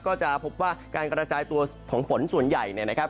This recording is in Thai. ก็จะพบว่าการกระจายตัวของฝนส่วนใหญ่เนี่ยนะครับ